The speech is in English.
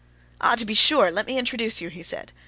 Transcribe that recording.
"Ah, to be sure, let me introduce you," he said.